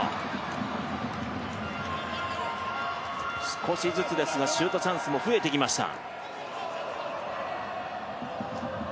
少しずつですがシュートチャンスも増えてきました。